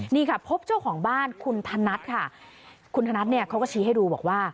นี่ค่ะพบเจ้าของบ้านคุณธนัดค่ะคุณธนัทเนี่ยเขาก็ชี้ให้ดูบอกว่า